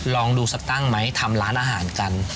ลองดูสักตั้งไหมทำร้านอาหารกัน